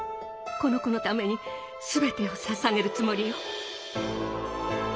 この子のために全てをささげるつもりよ。